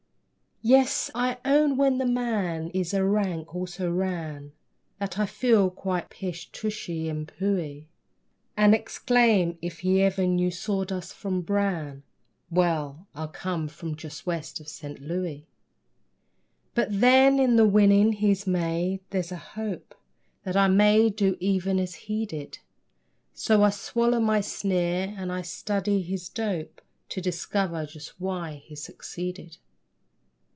Yes, I own when the man is a rank also ran That I feel quite pish tushy and pooh y, And exclaim if he ever knew saw dust from bran, Well I come from just west of St. Louis! But then, in the winning he's made, there's a hope That I may do even as he did, So I swallow my sneer and I study his dope To discover just why he succeeded.